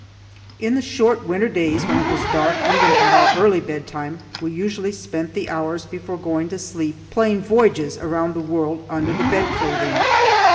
In the short winter days, when it was dark even at our early bedtime, we usually spent the hours before going to sleep playing voyages around the world under the bed clothing.